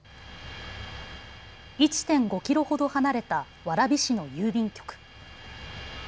１．５キロほど離れた蕨市の郵便局。